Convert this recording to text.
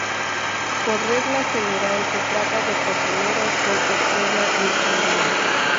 Por regla general se trata de cocineros con estrella Michelin.